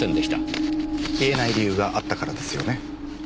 言えない理由があったからですよね。